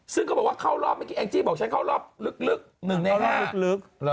ซึ่งเขาก็บอกว่าข้ารอบ๑ใน๕